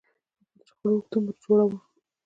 هغوی د شخړو اوږد عمر جوړاوه.